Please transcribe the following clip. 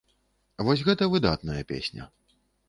Вось гэта выдатная песня.